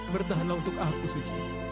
bertahanlah untuk aku suci